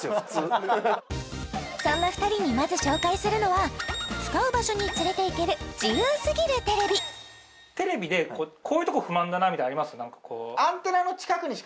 普通そんな２人にまず紹介するのは使う場所に連れていける自由すぎるテレビテレビでこういうところ不満だなみたいのあります？